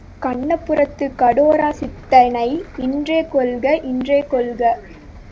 கண்ணபுரத்துக் கடோர சித்தனை இன்றே கொல்லுக, இன்னே கொல்லுக.